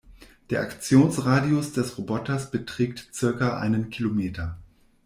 Der Aktionsradius des Roboters beträgt circa einen Kilometer.